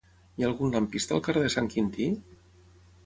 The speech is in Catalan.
Hi ha algun lampista al carrer de Sant Quintí?